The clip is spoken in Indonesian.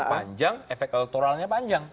panjang efek elektoralnya panjang